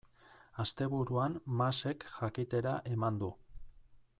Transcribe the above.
Asteburuan Masek jakitera eman du.